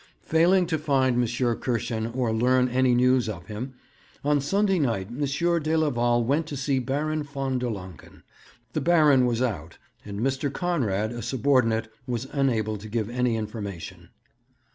Failing to find M. Kirschen or learn any news of him, on Sunday night M. de Leval went to see Baron von der Lancken. The Baron was out, and Mr. Conrad, a subordinate, was unable to give any information.